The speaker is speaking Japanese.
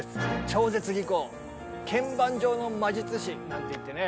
超絶技巧鍵盤上の魔術師なんていってね